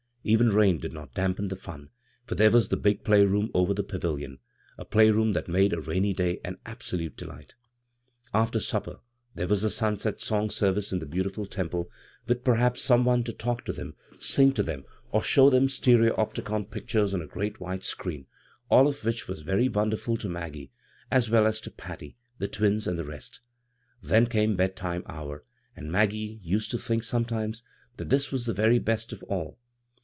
Even rain did not dampen the fun, for there was the big play room over the pavilion — a play room that made a rainy day an absolute delight After supper there was the sunset song service in the beautiful Temple, with perhaps some one to talk to them, sing to them, or show them stereopticon pictures on a great white screen ; all of which was very wonderful to Maggie, as well as to Patty, the twins, and the rest Then came bedtime hour, and Maggie used to think sometimes that this was the very best of all.